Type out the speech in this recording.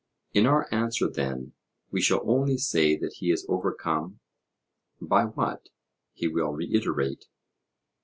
In our answer, then, we shall only say that he is overcome. 'By what?' he will reiterate.